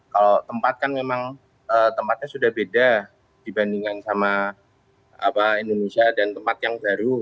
kalau tempat kan memang tempatnya sudah beda dibandingkan sama indonesia dan tempat yang baru